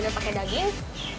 ada pakai daging